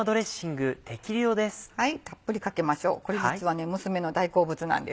たっぷりかけましょうこれ実は娘の大好物なんですよ。